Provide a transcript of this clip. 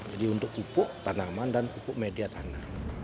jadi untuk pupuk tanaman dan pupuk media tanaman